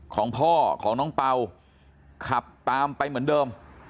ของพ่อของน้องเป่าขับตามไปเหมือนเดิม